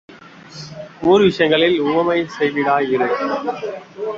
ஊர் விஷயங்களில் ஊமை செவிடாய் இரு.